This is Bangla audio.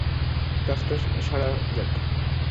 কাজটা সারা যাক।